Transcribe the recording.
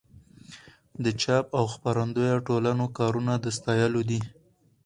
د چاپ او خپرندویه ټولنو کارونه د ستایلو دي.